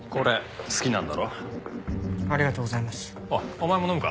お前も飲むか？